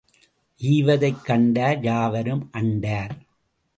ஈவதைக் கண்டார் யாவரும் அண்டார்.